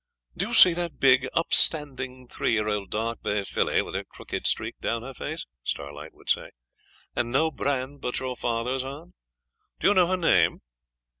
'D'ye see that big upstanding three year old dark bay filly, with a crooked streak down her face,' Starlight would say, 'and no brand but your father's on. Do you know her name?